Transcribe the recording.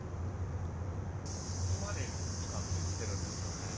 ここまで水つかってきてるんですよね。